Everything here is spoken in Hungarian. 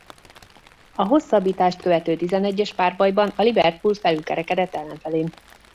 A hosszabbítást követő tizenegyespárbajban a Liverpool felülkerekedett ellenfelén.